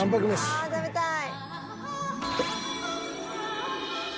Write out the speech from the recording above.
ああ食べたい！